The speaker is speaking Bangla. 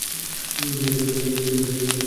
লেখাটা না দিলে আমি স্যার যাব না।